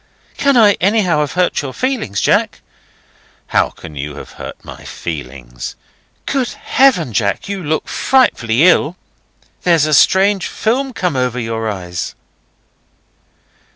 "Can I anyhow have hurt your feelings, Jack?" "How can you have hurt my feelings?" "Good Heaven, Jack, you look frightfully ill! There's a strange film come over your eyes."